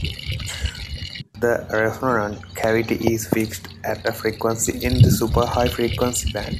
The resonant cavity is fixed at a frequency in the super high frequency band.